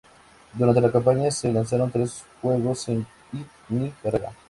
Durante la campaña se lanzaron tres juegos sin hit ni carrera.